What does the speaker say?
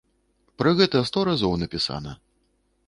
Пра гэта сто разоў напісана.